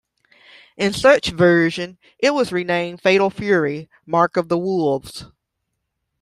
In such version, it was renamed "Fatal Fury: Mark of the Wolves".